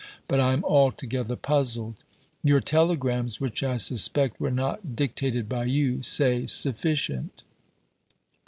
But I am altogether puzzled. Your telegrams, which I suspect were not dictated by you, say "Sufficient."